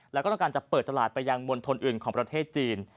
แล้วก็ต้องการจะเปิดตลาดไปยังมณฑลอื่นของประเทศจีน